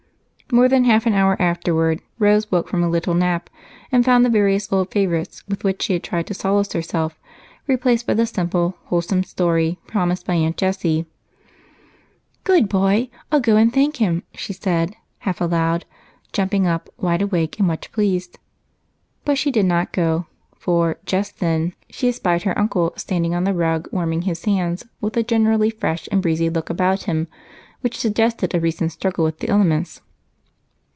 More than half an hour afterward, Rose woke from a little nap and found the various old favorites with which she had tried to solace herself replaced by the simple, wholesome story promised by Aunt Jessie. "Good boy! I'll go and thank him," she said half aloud, jumping up, wide awake and much pleased. But she did not go, for just then she spied her uncle standing on the rug warming his hands with a generally fresh and breezy look about him which suggested a recent struggle with the elements.